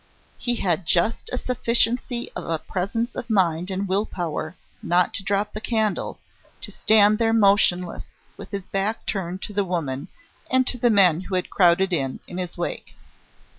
He had just a sufficiency of presence of mind and of will power not to drop the candle, to stand there motionless, with his back turned to the woman and to the men who had crowded in, in his wake.